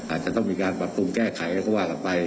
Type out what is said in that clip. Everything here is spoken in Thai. อาจจะต้องมีการปรับปรุงแก้ไขอะไรก็ว่ากันไป